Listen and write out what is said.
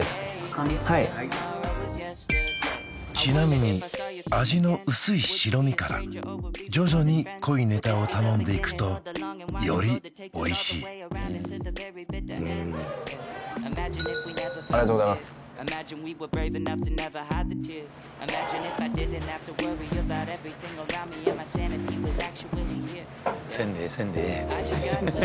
はいはいちなみに味の薄い白身から徐々に濃いネタを頼んでいくとよりおいしいありがとうございますせんでええせんでええ